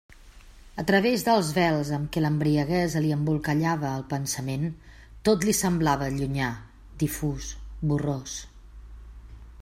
A través dels vels amb què l'embriaguesa li embolcallava el pensament, tot li semblava llunyà, difús, borrós.